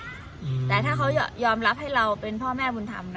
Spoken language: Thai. อืมแต่ถ้าเขายอมรับให้เราเป็นพ่อแม่บุญธรรมนะ